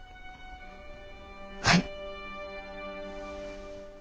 はい。